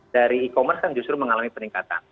dari e commerce kan justru mengalami peningkatan